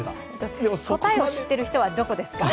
答えを知っている人はどこですか？